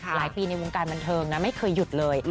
หลายปีในวงการบันเทิงนะไม่เคยหยุดเลย